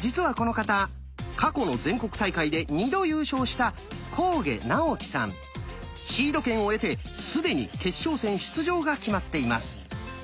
実はこの方過去の全国大会で２度優勝したシード権を得て既に決勝戦出場が決まっています。